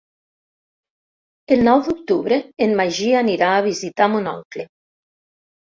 El nou d'octubre en Magí anirà a visitar mon oncle.